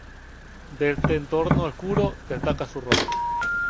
De este entorno oscuro, destaca su rostro.